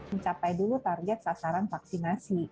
mencapai dulu target sasaran vaksinasi